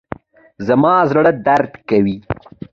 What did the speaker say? زما زړه درد کوي